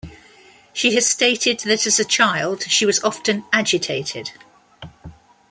She has stated that, as a child, she was often "agitated".